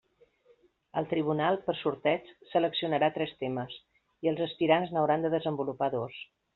El Tribunal per sorteig seleccionarà tres temes i els aspirants n'hauran de desenvolupar dos.